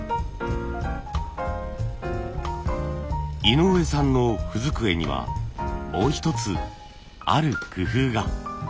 井上さんの文机にはもう一つある工夫が。